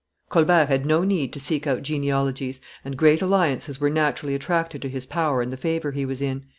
Colbert had no need to seek out genealogies, and great alliances were naturally attracted to his power and the favor he was in.